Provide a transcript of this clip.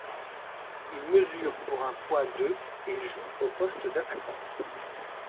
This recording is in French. Il mesure pour un poids de et joue au poste d'attaquant.